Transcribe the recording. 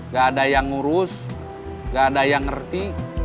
gak ada yang ngurus gak ada yang ngerti